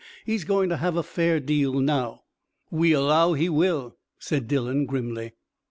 He's going to have a fair deal now." "We allow he will," said Dillon grimly.